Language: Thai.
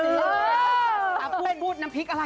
เอ้อตามไปน้ำพริกอะไร